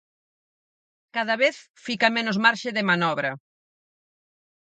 Cada vez fica menos marxe de manobra.